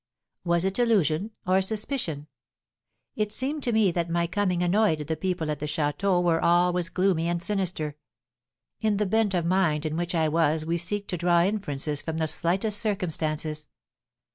Was it illusion or suspicion? It seemed to me that my coming annoyed the people at the château where all was gloomy and sinister. In the bent of mind in which I was we seek to draw inferences from the slightest circumstances.